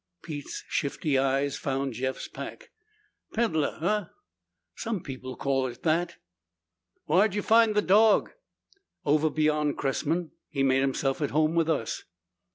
Pete's shifty eyes found Jeff's pack. "Peddler, huh?" "Some people call it that." "Whar'd ye find the dog?" "Over beyond Cressman. He made himself at home with us."